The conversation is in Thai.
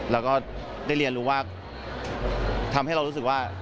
แล้วก็ได้เรียนรู้ว่าทำให้เรารู้สึกว่า